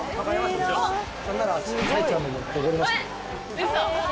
ウソ？